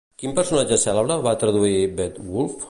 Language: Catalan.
Quin personatge cèlebre va traduir Beowulf?